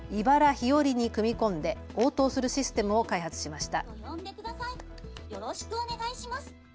ひよりに組み込んで応答するシステムを開発しました。